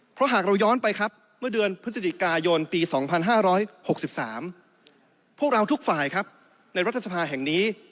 เพราะหากเราย้อนไปครับเมื่อเดือนพฤศจิกายนปี๒๕๖๓พวกเราทุกฝ่ายครับในรัฐสภาแห่งนี้